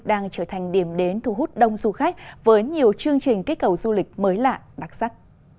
đang trở thành điểm đến thu hút đông du khách với nhiều chương trình kích cầu du lịch mới lạ đặc sắc